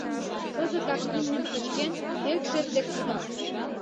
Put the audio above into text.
Кызытак имньым кычкен, фельдшер дек кудал.